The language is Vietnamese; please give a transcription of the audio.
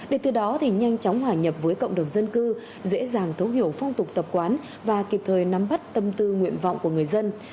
để từ đó nhanh chóng hòa nhập với cộng đồng dân cư dễ dàng thấu hiểu phong tục tập quán và kịp thời nắm bắt tâm tư nguyện vọng của người dân